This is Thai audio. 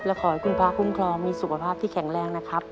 และขอให้คุณพระคุ้มครองมีสุขภาพที่แข็งแรงนะครับ